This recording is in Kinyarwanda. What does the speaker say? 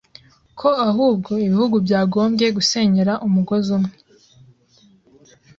ko ahubwo ibihugu byagombwe gusenyera umugozi umwe